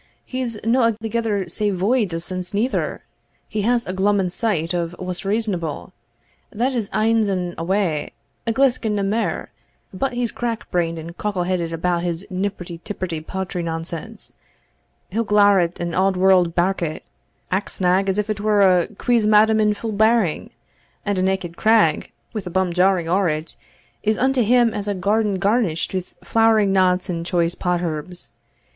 He's no a'thegither sae void o' sense neither; he has a gloaming sight o' what's reasonable that is anes and awa' a glisk and nae mair; but he's crack brained and cockle headed about his nipperty tipperty poetry nonsense He'll glowr at an auld warld barkit aik snag as if it were a queezmaddam in full bearing; and a naked craig, wi' a bum jawing ower't, is unto him as a garden garnisht with flowering knots and choice pot herbs.